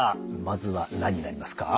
まずは何になりますか？